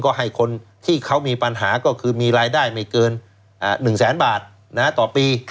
ก็ให้คนที่เขามีปัญหาก็คือมีรายได้ไม่เกิน๑แสนบาทต่อปี